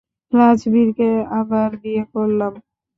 রাজবীরকে আবার বিয়ে করালাম।